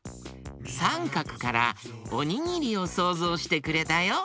サンカクからおにぎりをそうぞうしてくれたよ。